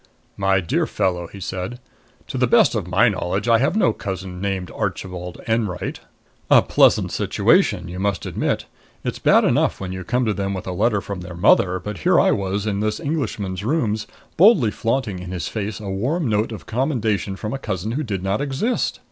"My dear fellow," he said, "to the best of my knowledge, I have no cousin named Archibald Enwright." A pleasant situation, you must admit! It's bad enough when you come to them with a letter from their mother, but here was I in this Englishman's rooms, boldly flaunting in his face a warm note of commendation from a cousin who did not exist!